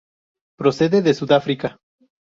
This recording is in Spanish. Procede de Sudáfrica.